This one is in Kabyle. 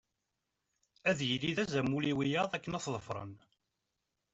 Ad yili d azamul i wiyaḍ akken ad t-ḍefren.